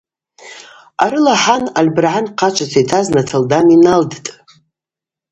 Арыла хӏан Албыргӏан хъачвата йтаз натылдан йналдтӏ.